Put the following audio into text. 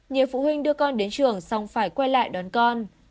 nhiều phụ huynh đưa con đến trường xong phải quay lại đón con